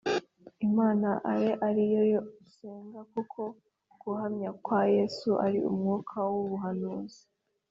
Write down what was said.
Imana abe ari yo usenga. Kuko guhamya kwa Yesu ari umwuka w’ubuhanuzi.”.